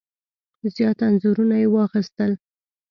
زیات انځورونه یې واخیستل.